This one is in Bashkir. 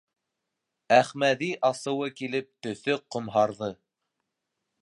Әхмәҙи асыуы килеп, төҫө ҡомһарҙы: